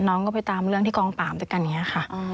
น้องก็ไปตามเรื่องที่กองปรามตัวเองนะคะ